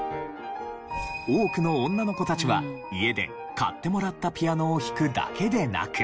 多くの女の子たちは家で買ってもらったピアノを弾くだけでなく。